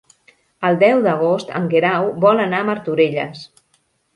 El deu d'agost en Guerau vol anar a Martorelles.